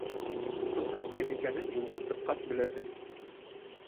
Дуҫыңдың кем икәнен юлға сыҡҡас белерһең.